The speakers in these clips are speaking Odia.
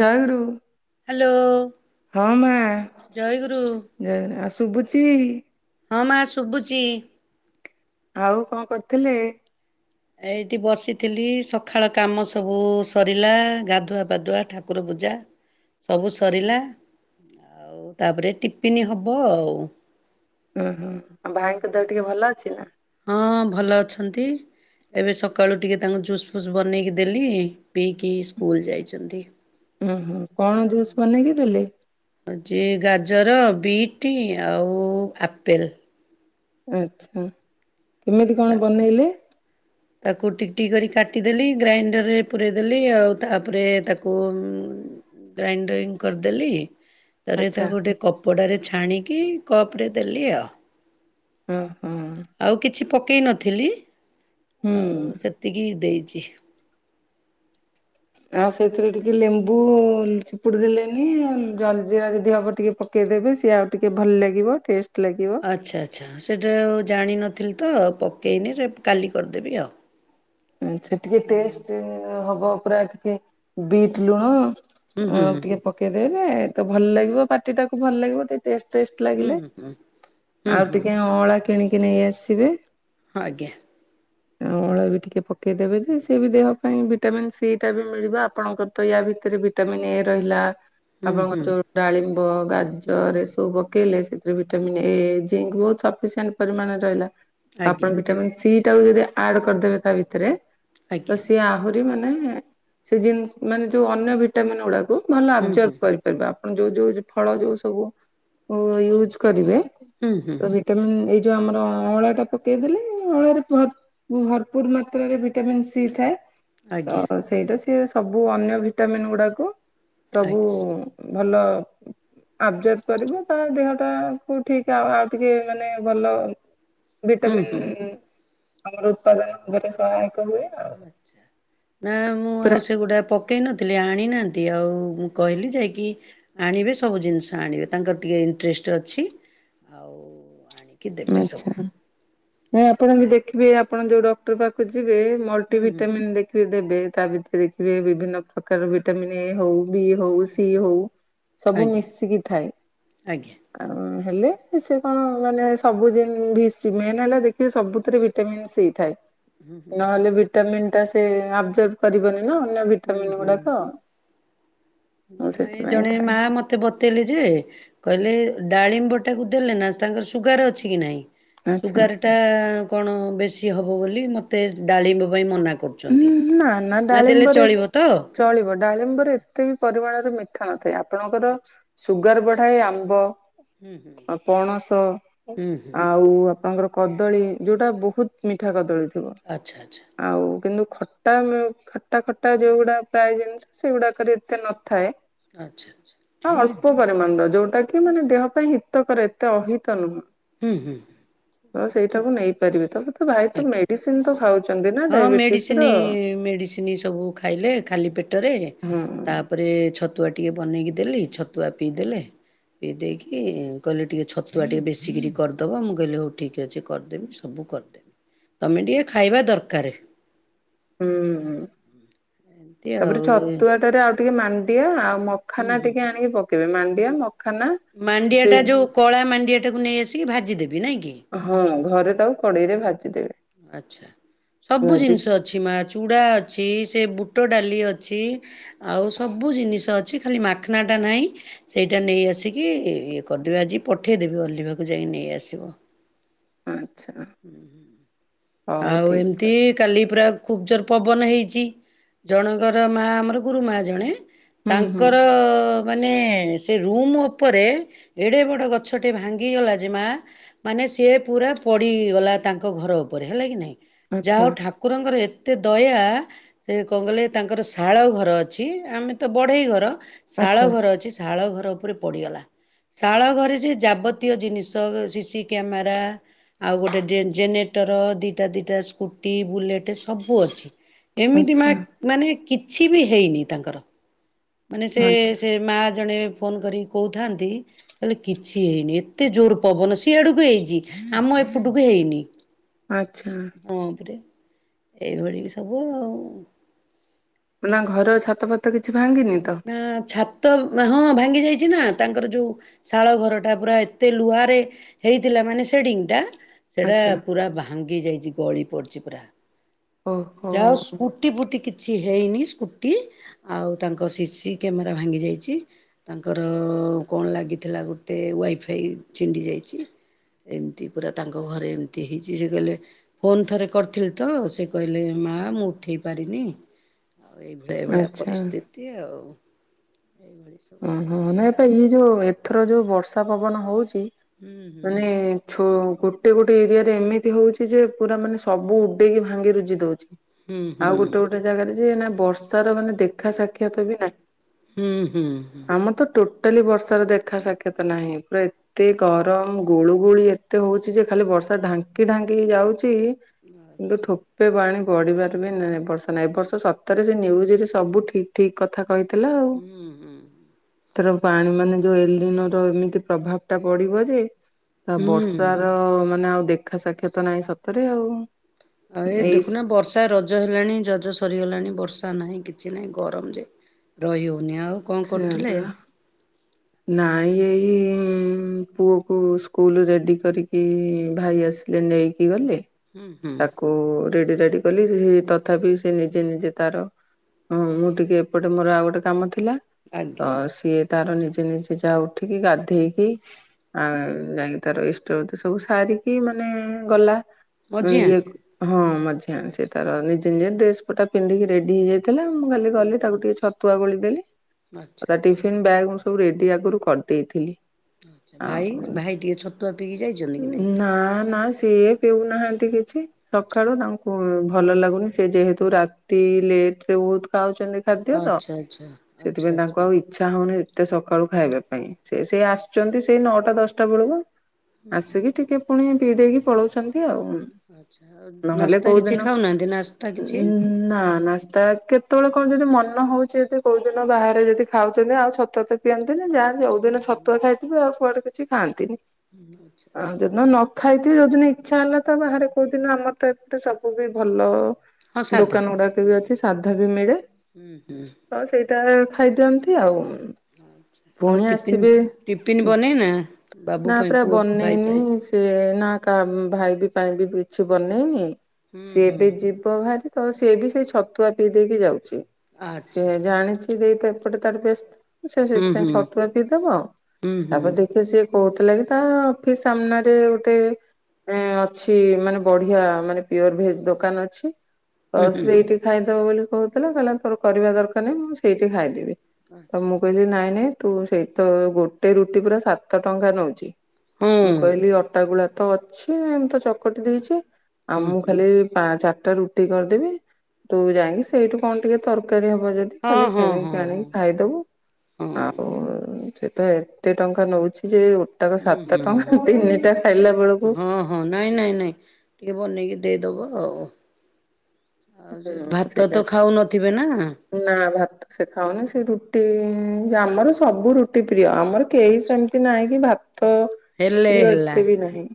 ଜୟଗୁରୁ, ହ୍ୟାଲୋ ହଁ ମାଆ। ଜୟଗୁରୁ, ଆଉ ଶୁଭୁଛି? ହଁ ମାଆ ଶୁବୁଚି। ଆଉ କଣ କରୁଥିଲେ? ଏଇଠି ବସିଥିଲି ସଖାଳ କାମ ସବୁ ସରିଲା ଗାଧୁଆ ପାଧୁଆ ଠାକୁର ପୂଜା। ସବୁ ସରିଲା, ଆଉ ତାପରେ ଟିପିନି ହବ ଆଉ। ଉଁ ହୁଁ, ଆଉ ଭାଇଙ୍କ ଦେହ ଟିକେ ଭଲ ଅଛି ନା? ହଁଅ ଭଲ ଅଛନ୍ତି। ଏବେ ସକାଳୁ ଟିକେ ତାଙ୍କୁ ଜୁସ୍ ଫୁସ୍ ବନେଇକି ଦେଲି, ପିଇକି ସ୍କୁଲ ଯାଇଛନ୍ତି। ଉ ହୁଁ। କଣ ଜୁସ୍ ବନେଇକି ଦେଲେ? ହଉଛି ଗାଜର ବିଟ୍ ଆଉ ଆପେଲ୍। ଆଛା। କେମିତି କଣ ବନେଇଲେ? ତାକୁ ଟିକଟିକ କରି କାଟିଦେଲି ଗ୍ରାଇଣ୍ଡରରେ ପୂରେଇ ଦେଲି, ଆଉ ତାପରେ ତାକୁ ଗ୍ରାଇଣ୍ଡରିଂ କରିଦେଲି। ତାରେ ଆଚ୍ଛା ତାକୁ ଗୋଟେ କପଡ଼ାରେ ଛାଣିକି କପ୍ ରେ ଦେଲି ଆଉ। ଉ ହୁଁ। ଆଉ କିଛି ପକେଇ ନଥିଲି ହୁଁ। ଆଉ ସେତିକି ଦେଇଚି। ଆଉ ସେଥିରେ ଟିକେ ଲେମ୍ବୁ ଚିପୁଡି ଦେଲେନି ଜଲଜିିରା ଯଦି ହବ ଟିକେ ପ କେ ଦେବେ ସିଏ ଆଉ ଟିକେ ଭଲ ଲାଗିବ ଟେଷ୍ଟ ଲାଗିବ। ଆଚ୍ଛା ଆଚ୍ଛା ସେଇଟା ଆଉ ଜାଣିନଥିଲି ତ ପକେଇନି ସେ କାଲି କରିଦେବି ଆଉ। ସେ ଟିକେ ଟେଷ୍ଟ ହବ ପୁରା ଟିକେ ବିଟ୍ ଲୁଣ ହୁଁ ହ ହୁଁ ଟିକେ ପକେଇଦେବେ ତ ଭଲ ଲାଗିବ ପାଟି ଟାକୁ ଭଲ ଲାଗିବ ଟିକେ ଟେଷ୍ଟ ଟେଷ୍ଟ ହୁଁ ଲାଗିଲେ ହୁଁ ହୁଁ ହୁଁ ଆଉ ହୁଁ ଟିକେ ଅଁଳା କିଣିକି ନେଇ ଆସିବେ। ହଁ ଆଜ୍ଞା। ଅଳାଁ ବି ଟିକେ ପକେଇ ଦେେବେ ଯେ ସିଏ ବି ଦେହ ପାଇଁ ଭିଟାମିନ୍ ସି ଟା ବି ମିଳିବ ଆପଣଙ୍କର ତ ୟା ଭିତରେ ବି ଭିଟାମିନ୍ ଏ ରହିଲା ହୁଁ ଆପଣଙ୍କ ହୁଁ ଯୋଉ ଡାଳିମ୍ବ ହୁଁ ଗାଜରରେ ହୁଁ। ସବୁ ପକେଇଲେ ସେ ଭିଟାମିନ୍ ଏ ଜିଙ୍କ୍ ବହୁତ ସଫିସେଣ୍ଟ ପରିମାଣରେ ରହିଲା ଆଜ୍ଞା ଆପଣ ଭିଟାମିନ ସିଟାକୁ ଯଦି ଆଡ କରିଦେବେ ତା ଭିତରେ ଆଜ୍ଞା ତ ସିଏ ଆହୁରି ସି ମାନେ ହିଁ ସେଜିନ୍ ମାନେ ଯେଉ ଅନ୍ୟ ଭିଟାମିନ ଗୁଡ଼ାକୁ ଭଲ ହୁଁ ହୁଁ ଆବଜରବ୍ କରିବ। ଆପଣ ଯୋଉ ଯୋଉ ଫଳ ଯୋଉ ସବୁ ୟୁଜ କରିବେ ହୁଁ ହୁଁ ତମ ଏଇ ଯୋଉ ଆମର ଅଁଳା ଟା ପକେଇ ଦେଲେ ଅଁଳାରେ ଭରପୁର ମାତ ଭିଟାମନ୍ ସି ଥାଏ ଆଜ୍ଞା ତ ସେଇଟା ସି ସବୁ ଅନ୍ୟ ଭିଟାମନ୍ ଗୁଡାକୁ ସବୁ ଆଜ୍ଞା ଭଲ ଆବଜର୍ଭ କରିବ ତା ଦେହଟାକୁ ଠିକ ଆ ଆଉ ଟିକେ ମାନେ ଭଲ ହୁଁ ହୁଁ। ଭିଟାମିନ୍ ଆମର ଉତ୍ପାଦନ ଭାବରେ ସହାୟକ ହୁଏ। ଆଉ। ନା ମୁଁ ପୁରା ଆଉ ସେ ଗୁଡ଼ାକ ପ ପକେଇ ନଥିଲି ଆଣିନାହାନ୍ତି ଆଉ ମୁଁ କହିଲି ଯାଇକି ଆଣିବେ ସବୁ ଜିନିଷ ଆଣିବେ ତାଙ୍କର ଟିକେ ଇଣ୍ଟରେଷ୍ଟ ଅଛି ଆଉ ଦେବେ ସବୁ ଆଚ୍ଛା ଆପଣ ବି ଯା ଦେଖିବେ ଆପଣ ଯୋଉ ଡକ୍ଟର ପାଖକୁ ଯିବେ ମଲ୍ଟି ହୁଁ ହୁଁ ଭିଟାମିନ୍ ଦେଖିବେ ଦେବେ ତା ଭିତରେ ଦେଖିବେ ବିଭିନ୍ନ ପ୍ରକାର ଭିଟାମିିନ ଏ ହଉ ବି ହଉ ସି ହୁଁ ହଉ ସବୁ ଆଜ୍ଞା ମିଶିକି ଥାଏ। ଆଜ୍ଞା ଆଉ ହେଲେ ସେ କଣ ମାନେ ସବୁଦିନ ଭ ମେନ୍ ହେଲା ଦେଖି ସବୁଥିରେ ଭିଟାମିନ୍ ସି ଥାଏ ହୁଁ ହୁଁ ନହେଲେ ଭି ଭିଟାମନ୍ ଟା ସେ ଆବଜର୍ଭ କରିବନି ନା ଅନ୍ୟ ହୁଁ ଭିଟାମିନ୍ ହୁଁ ଗୁଡାକ ଆଉ ନାଇଁ ସେଥିପାଇଁ ଜଣେ ଥାଏ ମା ମତେ ମତେ ବତେଇଲେ ଯେ କହିଲେ ଡାଳିମ୍ବଟାକୁ ଦେଲେ ନା ତାଙ୍କର ସୁଗାର ଅଛି କି ନାହିଁ। ଆଚ୍ଛା ସୁଗାର ଟା କଣ ବେଶୀ ହବ ବୋଲି ମତେ ଡାଳିମ୍ବ ପାଇଁ ମନା କରୁ ଉଁ ଚନ୍ତି ନା ନା ଦେଲେ ଡାଳିମ୍ବରେ ଚଳିବ ତ। ଚଳିବ ଡାଳିମ୍ବରେ ଏତେ ବି ପରିମାଣର ମିଠା ନଥାଏ ଆପଣଙ୍କର ଆଚ୍ଛା ସୁଗାର ବଢାଏ ଆମ୍ବ ହୁଁ ହୁଁ ପଣସ ହୁଁ ହୁଁ। ଆଉ ଆପଣଙ୍କର କଦଳୀ ଯଉଟା ବହୁତ ମିଠା କଦଳୀ ଥିବ ଆଚ୍ଛା ଆଚ୍ଛା ଆଚ୍ଛା ଆଉ କିନ୍ତୁ ଖଟା ଖଟା ଖଟା ଯୋଉଗୁଡା ପ୍ରାୟ ଜିନିଷ ସେଗୁଡାକରେ ଏତେ ନଥାଏ। ଆଚ୍ଛା ହଁ ଅଳ୍ପ ଆଚ୍ଛା ପରିମାଣର ଯୋଉଟା କି ମାନେ ଦେହ ପାଇଁ ହିତକର ଏତେ ଅହିତ ନୁହେଁ। ହୁଁ ହୁଁ ହଁ ସେଇଟାକୁ ନେଇପାରିବେ ତା ପରେ ତୋ ଭାଇ ତ ମେଡିସିନ ତ ଖାଉଛନ୍ତି ନା ଡାଇବେଟ ମେଡିସିନି ମେଡିସିନି ସବୁ ଖାଇଲେ ଖାଲି ପେଟରେ ହୁଁ ତା ପରେ ଛତୁଆ ଟିକେ ବନେଇକି ଦେଲି ଛତୁଆ ପିଇଦେଲେ। ପିଇ ଦେଇକି କହିଲେ ଟିକେ ଛତୁଆ ଟିକେ ବେଶିକିରି କରିଦେବ ମୁଁ କହିଲେ ହଉ ଠିକ୍ ଅଛି କରିଦେବି ସବୁ କରଦେବ ତମେ ଟିକେ ଖାଇବା ଦରକାରେ। ହୁଁ ହୁଁ ଏମିତି ଆଉ ତାପରେ ଛତୁଆଟାରେ ଆଉ ଟିକେ ମାଣ୍ଡିଆ ଆଉ ମ ହୁଁ ଖାନା ହୁଁ ଟିକେ ଆଣିକି ପକେଇବେ ମାଣ୍ଡିଆ ମଖାନା ମାଣ୍ଡିଆ ସେ ଟା ଯୋଉ କଳା ମାଣ୍ଡିଆଟାକୁ ନେଇ ଆସିକି ଭାଜିଦେବି ନାଇଁକ କି? ହୁଁ ଘରେ ତାକୁ କଡେଇରେ ଭାଜିଦେବେ। ଆଛା ସବୁ ଭାଜିକି ଜିନିଷ ଅଛ ଛି ମା ଚୁଡ଼ା ଅଛି ସେ ବୁଟ ଡାଲି ଅଛି। ଆଉ ସବୁ ଜିନିଷ ଅଛି ଖାଲି ମାଖାନଟା ନାହିଁ ସେଇଟା ନେଇଆସିକି ଇଏ କରିଦେବି ଆଜି ପଠେଇଦେବି ଅଲ୍ଲିିବାକୁ ଯାଇି ନେଇଆସିବ। ଆଚ୍ଛା ହଉ ଆଉ ଠିକ ଏମିତି କାଲି ପରା ଖୁବ ଜୋର ପବନ ହେଇଛି ଜଣଙ୍କର ମା ଆମର ଗୁରୁ ମା ଜଣେ। ଅଛି ହୁଁ ହୁଁ ତାଙ୍କର ମାନେ ସେ ରୁମ ଉପରେ ଏଡେ ବଡ ଗଛଟେ ଭାଙ୍ଗିଗଲା ଯେ ମା ମାନେ ସିଏ ପୁରା ପଡିଇଗଲା ତାଙ୍କ ଘର ଉପରେ ହେଲା କି ନାଇଁ ଯାହା ଆଚ୍ଛା ହଉ ଠାକୁ କୁରଙ୍କର ଏତେ ଦୟା ସେ କଣ କହିଲେ ତାଙ୍କର ଶାଳ ଘର ଅଛି ଆମେ ତ ବଢେଇ ଘର ଶାଳ ଆଚ୍ଛା ଘର ଅଛି ସେ ଶାଳ ଘର ଉପରେ ପଡ଼ିଗଲା। ଶାଳ ଘରେ ଯେ ଯାବତୀୟ ଜିନିଷ ସିସିି କ୍ୟାମେରା ଆଉ ଗୋଟେ ଜେନ୍ ଜେନେରେଟର ଦିଟା ଦିଟା ସ୍କୁଟି ବୁଲେଟ୍ ସବୁ ଅଛି। ଏମିତି ମା ଆଚ୍ଛା ମାନେ କିଛି ବି ହେଇନି ତାଙ୍କର ମାନେ ସେ ଆଚ୍ଛା ସେ ମାଆ ଜଣେ ଫୋନ୍ କରି କହୁଥାନ୍ତି କଲେ କିଛି ହେଇନି ଏତେ ଜୋର ପବନ ସି ଆଡକୁ ହେଇଛି ଆମ ଏପଟକୁ ହେଇନି। ଆଛା ହଁ ପରେ ଏଇଭଳି ସବୁ ଆଉ। ନା ଘର ଛାତ ଫାତ କିଛି ଭାଙ୍ଗିନି ତ। ଆଁ ଛାତ ହଁ ଭାଙ୍ଗି ଯାଇଛି ନା ତାଙ୍କର ଯୋଉ ଶାଳ ଘର ଟା ପୁରା ଏତେ ଲୁହାରେ ହେଇଥିଲା ମାନେ ସେଡିଙ୍ଗ ଟା ସେଡା ଆଚ୍ଛା ପୁରା ଭାଙ୍ଗି ଯାଇଛି ଗଳି ପଡିଛି ପୁରା ଓହୋ ଯାହା ହୋଉ ସ୍କୁ ଟି ଫୁଟି କିଛି ହେଇନି ସ୍କୁଟି ଆଉ ତାଙ୍କ ସିସିି କ୍ୟାମେରା ଭାଙ୍ଗି ଯାଇଚି ତାଙ୍କର କଣ ଲାଗିଥିଲା ଗୋଟେ ୱାଇଫାଇ ଛିଣ୍ଡି ଯାଇଛି। ଏମିତି ପୁରା ତାଙ୍କ ଘରେ ଏମିତି ହେଇଛି ଯେ କହିବେ ଫୋନ୍ ଥରେ କରିଥିଲି ତ ସେ କହିଲେ ମା ମୁଁ ଉଠେଇ ପାରିନି ଆଉ ଏଇଭଳିଆ ଏଇଭଳିଆ ଆଚ୍ଛା ପରିସ୍ଥିତି ଆଉ ଏଇଭଳି ସବୁ ଓ ହୋ ଚାଲିଛି ନାଇପା ଆଉ ଇଏ ଯୋଉ ଏଥର ଯୋଉ ବର୍ଷା ପବନ ହୋଉଚି ହୁଁ ହୁଁ। ମାନେ ଛ ଗୋଟେ ଗୋଟେ ଏରିଆରେ ଏମିତି ହେଉଚ ଯେ ପୁରା ମାନେ ସବୁ ଉଡେଇକି ଭାଙ୍ଗି ରୁଜି ଦୋଉଚି। ହୁଁ ଆଉ ହୁଁ ଗୋଟେ ଗୋଟେ ଜାଗାରେ ଯେ ନା ବର୍ଷାର ମାନେ ଦେଖା ସାକ୍ଷାତ ବି ନାହିଁ। ହୁଁ ହୁଁ ହୁଁ ଆମର ତ ଟୋଟାଲି ବର୍ଷାର ଦେଖା ସାକ୍ଷାତ ନାହିଁ ପୁରା ଏତେ ଗରମ ଗୁଳୁ ଗୁଳି ଏତେ ହଉଛି ଯେ ଖାଲି ବର୍ଷା ଢାଙ୍କି ଢାଙ୍କି ଯାଉଛି। କିନ୍ତୁ ଆଚ୍ଛା ଠପ ଏବେ ବାଣୀ ବଢିବାର ବି ନାଁ ବର୍ଷ ନଁ ଏବ ବର୍ଷ ସତରେ ସେ ନ୍ୟୁଜ ରେ ସବୁ ଠିକ ଠିକ କଥା କହିଥିଲା ଆଉ। ହୁଁ ହୁଁ। ଏଥର ପାଣି ମାନେ ଯୋଉ ଏଲି ନର ଏମିତି ପ୍ରଭାବ ଟା ପଡିବ ଯେ ଆ ବର୍ଷା ହୁଁ। ର ମାନେ ଆଉ ଦେଖା ସାକ୍ଷାତ ନାହିଁ ସତରେ ଆଉ। ଆ ଏ ଏଇ ଦେଖୁନା ବର୍ଷା ର ରଜ ହେଲାଣି ଜଜ ସରିଗଲାଣି ବର୍ଷା ନାହିଁ କିଛି ନାହିଁ ଗରମ ଯେ ରହିହଉନି ଆଉ। କଣ କରୁଥିଲେ [unintelligible] ନାଇଁ ଏଇ ପୁଅକୁ ସ୍କୁଲ ରେଡି କରିକି କି ଭାଇ ଆସିଲେ ନେଇକି ଗଲେ। ଉଁ ହୁଁ। ଓ ରେଡ଼ି ରାଡ଼ି କଲି ତଥାପି ସେ ନିଜେ ନିଜେ ତାର ହଁ ମୁଁ ଟିକେ ଏପଟେ ମୋର ଆଉ ଗୋଟେ କାମ ଥିଲା। ଆଜ୍ଞା ତ ଆଜ୍ଞା ସିଏ ତାର ନିଜେ ନିଜେ ଯାହା ଉଠିକି ଗାଧେଇକି ଆଉ ଯାଇକି ତାର ଇଷ୍ଟ ବୁତି ସବୁ ସାରିକି ମାନେ ଗଲା। ମଝିଆ ଇଏ ହଁ ମଝିଆ ସେ ଆଚ୍ଛା ତାର ନିଜେ ନିଜେ ଡ୍ରେସ ପଟା ପିନ୍ଧିକି ରେଡି ହେଇଯାଇ ଥିଲା ମୁଁ ଖାଲି ହୁଁ ଗଲି ହୁଁ ତାକୁ ଟିକେ ଛତୁଆ ଗୋଳି ଦେଲି। ଆଉ ଆଚ୍ଛା ତା ଟିଫିନ ବ୍ୟାଗ୍ ମୁଁ ସବୁ ରେଡି ଆଗରୁ କରିଦେଇଥିଲି। ଭାଇ ଆଉ ଭାଇ ଟିକେ ଛତୁଆ ପିକି ଯାଇଛନ୍ତି? କି ନାଇଁ ନା ନା ସିଏ ପିଉନାହାନ୍ତି କିଛି। ସକାଳୁ ତାଙ୍କୁ ଭଲ ଲାଗୁନି ସେ ଯେହେତୁ ରାତି ଲେଟ ରେ ବହୁତ ଖାଉଛନ୍ତି। ଖାଦ୍ୟ ତ ଆଚ୍ଛା ଆଚ୍ଛା ଆଚ୍ଛା ସେଥିପାଇଁ ତାଙ୍କୁ ଆଚ୍ଛା ଆଉ ଇଚ୍ଛା ହଉନି ଏତେ ସକାଳୁ ଖାଇବା ପାଇଁ ସେ ସେଇ ଆସୁଛନ୍ତି ସେଇ ନଅଟା ଦଶଟା ବେଳକୁ। ଆସିକି ଟିକେ ପୁଣି ପିଇ ଦେଇକି ପଳଉଛନ୍ତି ଆଉ। ଆଚ୍ଛା ଆଉ ନହେଲେ ନାସ୍ତା କିଛି କୋଉଦିନ ଖାଉନାହାନ୍ତି ନାସ୍ତା କିଛି ନା ନାସ୍ତା କେତେବେଳେ କଣ ଯଦି ମନ ହଉଛି ଯଦି କୋଉଦିନ ବାହାରେ ଯଦି ଖାଉଛନ୍ତି ଆଉ ସତ ପିଅନ୍ତିନି ଯାହା ଯଉଦିନ ଛତୁଆ ଖାଇଥିବେ ଆଉ କୁଆଡେ କିଛି ଖାଆନ୍ତିନି। ହୁଁ ହୁଁ। ଆଉ ଯୋଉଦିନ ନ ଖାଇଥିବି ଯୋଉଦିନ ଇଚ୍ଛା ହେଲା ତ ବାହାରେ କୋଉଦିନ ଆମର ତ ଏପଟେ ସବୁ ବି ଭଲ ହଁ ସାଧା ଦୋକାନ ଗୁଡାକ ବି ଅଛି ସାଧା ବି ମିଳେ। ହୁଁ ହୁଁ ହଁ ସେଇଟା ଖାଇଦିଅନ୍ତି ଆଉ ପୁଣି ଆସିବେ ଟିଫିନ ବନେଇନା? ବାବୁ ନା ପାଇଁ। ପୁରା ପୁଅ ବନେଇ ଭାଇ ପାଇଁ ନିି। ସେ ନା କାହା ଭାଇ ବି ପାଇଁ ବି କିଛି ବନେଇନି ହୁଁ ସିଏ ହୁଁ ଏବେ ଯ ବାହାରି ତ ସିଏ ବି ସେଇ ଛତୁଆ ପିଇ ଦେଇକି ଯାଉଛି, ଆଚ୍ଛା ସିଏ ଆଚ୍ଛା ଜାଣିଛି ଦେଇ ଏପଟେ ତାର ବସ୍ତ ସେ ହୁଁ ସେଥିପାଇଁ ହୁଁ ଛତୁଆ ପିଇଦବ ହୁଁ ହୁଁ ତାପରେ ସିଏ କହୁଥିଲା କି ତା ଅଫିସ ସାମନାରେ ଗୋଟେ ଏ ଅଛି ମାନେ ବଢିଆ ମାନେ ପିଓର ଭେଜ ଦୋକାନ ଅଛି। ତ ହୁଁ ହୁଁ ସେଇଠି ଖାଇଦବ ବୋଲି କହୁଥିଲା କହିଲା ତୋର କରିବା ଦରକାର ନାହିଁ ମୁଁ ସେଇଠି ଖାଇଦେବି। ତ ମୁଁ କହିଲି ନାଇଁ ନାଇଁ ତୁ ସେଇ ତ ଗୋଟେ ରୁଟି ପୁରା ସାତ ଟଙ୍କା ନଉଚି। ହଁ ମୁଁ କହିଲି ଅଟାଗୁଳା ତ ଅଛି ମୁ ତ ଚକଟି ଦେଇଚି। ଆ ହୁଁ ମୁଁ ହୁଁ ଖାଲି ଚାରିଟା ରୁ ରୁଟି କରିଦେବି ତୁ ଯାଇକି ସେଇଠୁ କଣ ଟିକେ ତରକାରୀ ହବ ଯଦି ଖାଲି ହଁ ହଁ ହଁ କିଣିକି ହଁ ଆଣିକି ଖାଇଦବୁ। ହଁ ଆଉ ସେ ତ ଏତେ ଟଙ୍କା ନଉଛି ଯେ ଗୋଟାକ ହୁଁ ସାତ ହୁଁ ଟଙ୍କା ତିନିଟା ଖାଇଲା ବେଳକୁ ହଁ ହଁ ନାଇଁ ନାଇଁ ନାଇଁ ଟିକେ ବନେଇକି ଦେଇଦବ ଆଉ ଆଉ ତ ହୁଁ ଭାତ ସେଇଟା ତ ଖାଉ ନଥିବେ ନା? ନା ଭାତ ସେ ଖାଉନି ସେ ରୁଟି ଆମର ସବୁ ରୁଟି ପ୍ରିୟ ଆମର କେହି ଆଚ୍ଛା। ସେମିତି ନାହିଁ କି ଭାତ ହେଲେ ପ୍ରିୟ ହେଲା। ଏତେ ବି ନାହିଁ।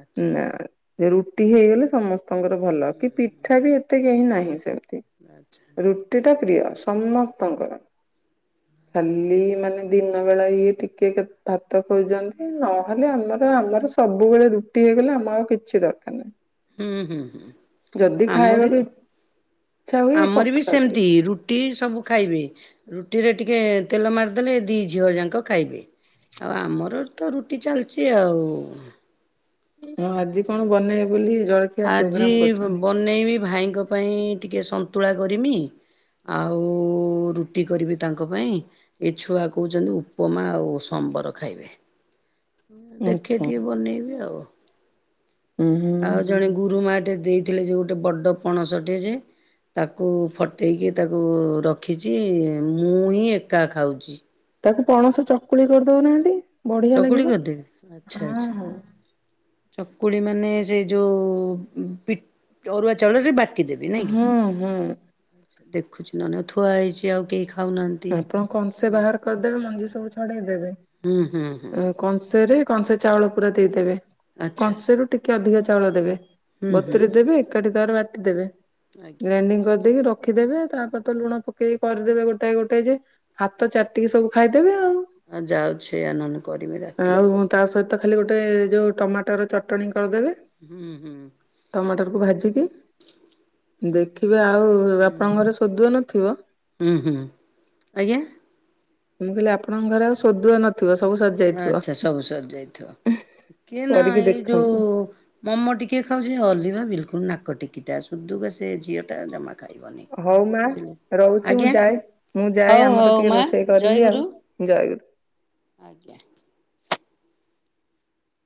ଆଚ୍ଛା ନା ଆଚ୍ଛା ଯେ ରୁଟି ହେଇଗଲେ ସମସ୍ତଙ୍କର ଭଲ କି ପିଠା ବି କେହି ନାହିଁ ସେମତି ଆଚ୍ଛା ଆଚ୍ଛା। ରୁଟି ଟା ପ୍ରିୟ ସମସ୍ତଙ୍କର। ଖାଲି ମାନେ ଦିନ ବେଳା ଇଏ ଟିକେ ଭାତ ଖୋଉଛନ୍ତି ନହେଲେ ଆମର ଆମର ସବୁବେଳେ ରୁଟି ହେଇଗଲେ ଆମ ଆଉ କିଛି ଦରକାର ନାହିଁ। ହୁଁ ହୁଁ ହୁଁ ଯଦି ଆମର ଖାଇବାକୁ ଇଚ୍ଛା ହୁଏ ଆମର ବି ପଖାଳ ଟିକେ। ସେମିତି ରୁ ରୁଟି ସବୁ ଖାଇବେ ରୁଟିରେ ଟିକେ ତେଲ ମାରିଦେଲେ ଦି ଝିଅ ଯାକ ଖାଇବେ। ଆଉ ଆମର ତ ରୁଟି ଚାଲିଛି ଆଉ ହଁ ଆଜି କଣ ବନେଇ ବୋଲି ଜଳଖିଆ ପ୍ରୋଗ୍ରାମ କରୁଛନ୍ତି? ମନେଇବି ଭାଇଙ୍କ ପାଇଁ ଟିକେ ସନ୍ତୁଳା କରିମି ଆଉ ରୁଟି କରିବି ତାଙ୍କ ପାଇଁ। ଏ ଛୁଆ କହୁଛନ୍ତି ଉପମା ଆଉ ସମ୍ବର ଖାଇବେ? [unintelligible] ଦେଖେ ଆଚ୍ଛା ଟିକେ ବନେଇବି ଆଉ ହୁଁ ହୁଁ। ଆଉ ଜଣେ ଗୁରୁମାଟେ ଦେଇଥିଲେ ଯେ ଗୋଟେ ବଡ ପଣସଟେ ଯେ ତାକୁ ଫଟେଇକି ତାକୁ ରଖିଛି ମୁଁ ହିଁ ଏକା ଖାଉଛି। ତାକୁ ପଣସ ଚକୁଳି କରିଦଉନାହାନ୍ତି ବଢିଆ ଚକୁଳି ଲାଗିବ। କରିଦେବି ଆଚ୍ଛା ଆଚ୍ଛା। ଚକୁଳି ମାନେ ସେ ଯୋଉ ଅରୁଆ ଚାଉଳ ବାଟ ଦେବି ନାଇଁ ହୁଁ ହୁଁ କିଛା ଦେଖୁଛି ନହେଲେ ଥୁଆ ହେଇଛି ଆଉ କେହି ଖାଉନାହାନ୍ତି ଆପଣ କସେ ବାହାର କରିଦେବେ ମଞ୍ଜି ସବୁ ଛଡେଇଦେବେ ହୁଁ ହୁଁ ହୁଁ। କଂସେରେ କଂସେ ଚାଉଳ ପୁରା ଦେଇଦେବେ ଆଚ୍ଛା ଆଚ୍ଛା କଂସେରୁ ଟିକେ ଅଧିକା ଚାଉଳ ଦେବେ। ହୁଁ ହୁଁ ବତୁୁରେଇ ଦେବେ ଏକାଠିତାର ବାଟି ଦେବେ ଆଜ୍ଞା ଗ୍ରାଇଣ୍ଡିଙ୍ଗ କରିଦେଇକି ରଖ। ରଖିଦେବେ ତାପରେ ତ ଲୁଣ ପକେଇକ କରିଦେବେ ଗୋ ଗୋଟେ ଗୋଟେ ଯେ ହାତ ଚାଟିକି ସବୁ ଖାଇଦେବେ ଆଉ ଆଉ ଯାଉଛି ଆ ନାନ କରମେ ରାତି କି ପଦେ ତ ଖାଲି ଗୋଟେ ଯେଉଁ ଟମାଟର ଚଟଣି କରିଦେବେ। ହୁଁ ହୁଁ। ଟମାଟରକୁ ଭାଜିକି ଦେଖିବେ ଆଉ ହୁଁ ଆପଣଙ୍କ ଘରେ ସୋଦୁଅ ନଥିବ? ହୁଁ ହୁଁ ଆଜ୍ଞା। ମୁଁ କହିଲି ଆପଣଙ୍କ ଘରେ ଆଉ ସୋଦୁଅ ନ ଥିବ ସବୁ ସରିଯାଇ ଆଚ୍ଛା ସବୁ ସରି ଯାଇଥିବ କିଏ କରିକି ନାଇ ଯୋଉ ଦେଖନ୍ତୁ। ମୋମୋ ଟିକି ଖାଉଛି ଅଲିଭା ବିଲକୁଲ ନାକ ଟିକିଟା ସୁଧୁକା ସେ ଝିଅ ଟା ଜମା ଖାଇବନି ହଉ ମା ବୁଝିଲେ ରହୁଛି ମୁଁ ଆଜ୍ଞା ଯାଏ ମୁଁ ଯାଏ ହଉ ଆମର ହଉ ଟିକେ ମା ରୋଷେଇ କରିବି ଜୟଗୁରୁ ଆଉ [inaudible] ଆଜ୍ଞା।